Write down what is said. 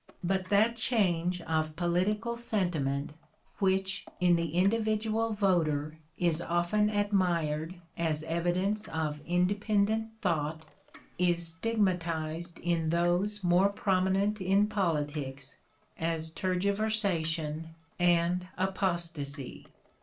But that change of political sentiment which in the individual voter is often admired as evidence of independent thought is stigmatized in (p. 059) those more prominent in politics as tergiversation and apostasy.